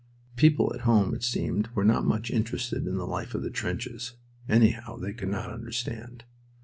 People at home, it seemed, were not much interested in the life of the trenches; anyhow, they could not understand.